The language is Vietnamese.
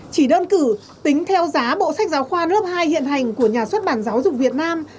chỉ đơn cử tính theo giá bộ sách giáo khoa lớp hai hiện hành của nhà xuất bản giáo dục việt nam